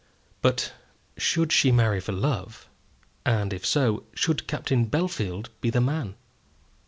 But should she marry for love; and if so, should Captain Bellfield be the man?